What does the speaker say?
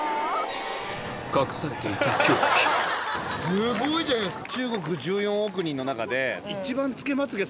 すごいじゃないですか！